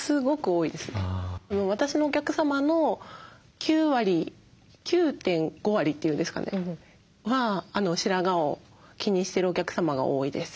私のお客様の９割９．５割って言うんですかねは白髪を気にしてるお客様が多いです。